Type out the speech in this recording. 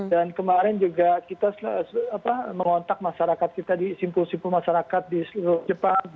dan kemarin juga kita mengontak masyarakat kita di simpul simpul masyarakat di seluruh jepang